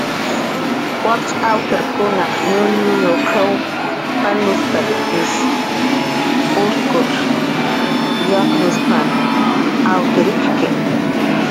"Wakch awtirkunaq nullnull qiw palnushp""tak ish uskun yaknushp""tak awtir ik""ki. "